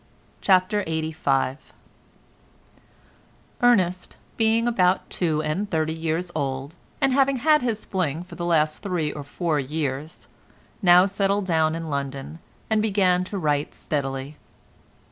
CHAPTER LXXXV Ernest being about two and thirty years old and having had his fling for the last three or four years, now settled down in London, and began to write steadily.